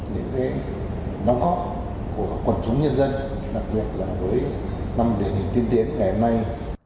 để cái đóng góp của quần chúng nhân dân đặc biệt là với năm đề nghị tiên tiến ngày hôm nay